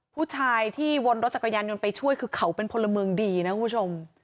ผู้ชายที่วนรถจักรยานยนต์ไปช่วยคือเขาเป็นพลเมืองดีนะคุณผู้ชม